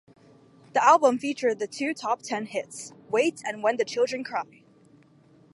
The album featured the two top ten hits "Wait" and "When the Children Cry".